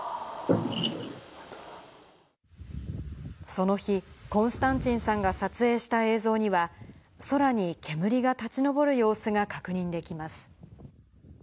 その日、コンスタンチンさんが撮影した映像には、空に煙が立ち上る様子が確認できます。